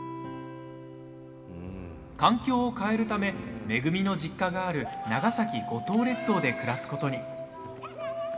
環境を変えるためめぐみの実家がある長崎、五島列島で暮らすことに。